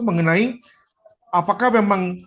mengenai apakah memang